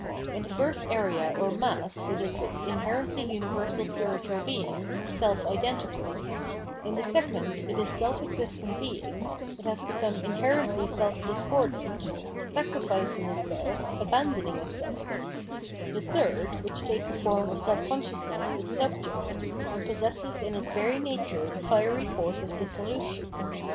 In the first area or mass it is the ioherently universal spiritual being, self identical ; in the second it is self existent beiug, it has become inherently self discordant, sacrificing itself, abandon ing itself; the third which takes the form of self consciousness is subject, and possesses in its very nature the fiery force of dissolution.